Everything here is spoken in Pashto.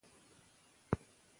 زما خور يوه باسواده پېغله ده